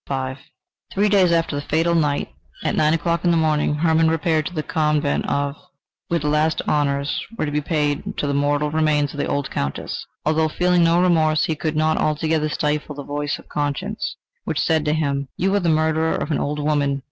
V Three days after the fatal night, at nine o'clock in the morning, Hermann repaired to the Convent of , where the last honours were to be paid to the mortal remains of the old Countess. Although feeling no remorse, he could not altogether stifle the voice of conscience, which said to him: "You are the murderer of the old woman!"